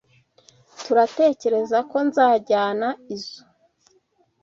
turatekerezako nzajyana izoi.